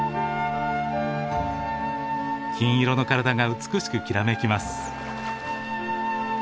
金色の体が美しくきらめきます。